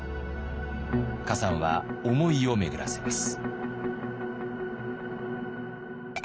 崋山は思いを巡らせます。